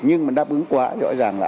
nhưng mà đáp ứng quá rõ ràng là